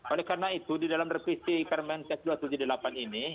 oleh karena itu di dalam revisi permenkes dua ratus tujuh puluh delapan ini